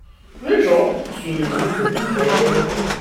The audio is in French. Les gens se débrouillent comme ils peuvent.